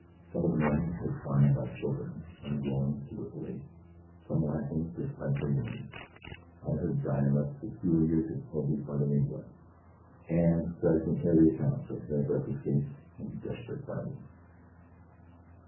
Some of the men were crying like children, some groaning pitifully, some laughing despite their wounds. I heard dialects peculiar to every part of England, and fragmentary accounts of hairbreadth escapes and desperate fighting.